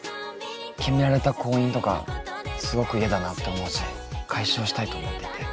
決められた婚姻とかすごく嫌だなって思うし解消したいと思っていて。